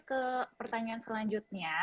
ke pertanyaan selanjutnya